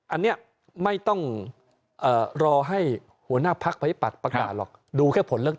อันเนี่ยไม่ต้องรอให้หัวหน้าพักฝัยปรากฏประกาศหรอกดูแค่ผลเรื่อง